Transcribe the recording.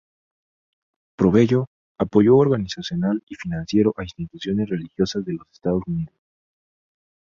Proveyó apoyo organizacional y financiero a instituciones religiosas de los Estados Unidos.